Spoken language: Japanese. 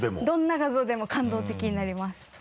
どんな画像でも感動的になります。